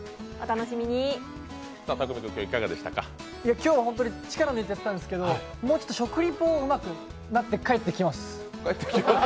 今日は本当に力抜いてやってたんですけど、もうちょっと食リポをうまくなって帰ってきます！